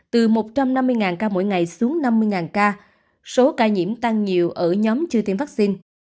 từ một trăm năm mươi ca mỗi ngày xuống năm mươi ca số ca nhiễm tăng nhiều ở nhóm chưa tiêm vaccine